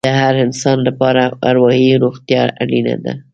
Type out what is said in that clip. د هر انسان لپاره اروايي روغتیا اړینه ده.